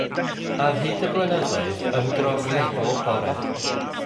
Ar hyd y blynyddoedd, ymdrochai bob bore.